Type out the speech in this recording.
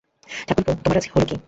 ঠাকুরপো, তোমার আজ হল কী।